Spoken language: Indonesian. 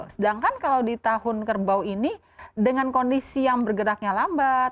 sedangkan kalau di tahun kerbau ini dengan kondisi yang bergeraknya lambat